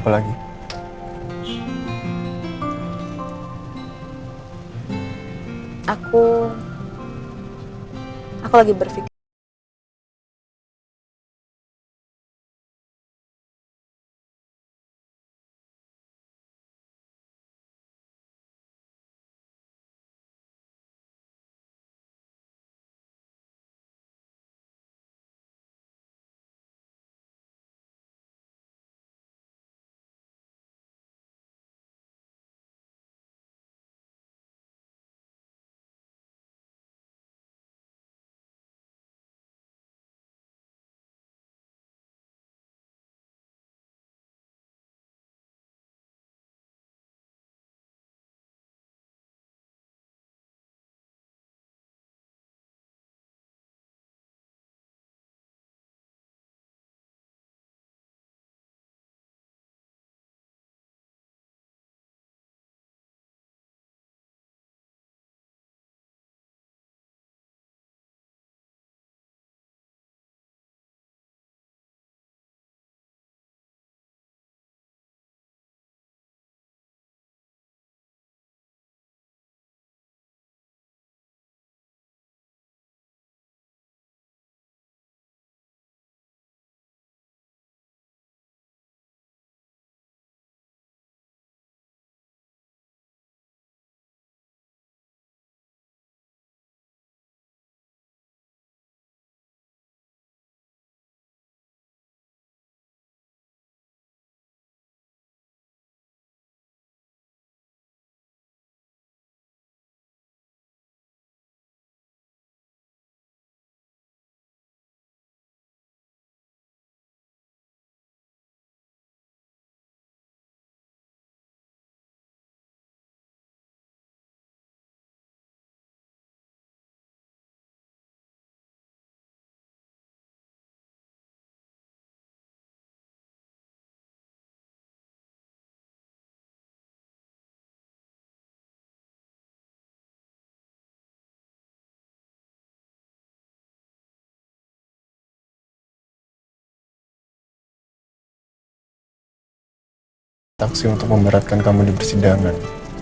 para penumpang pesawat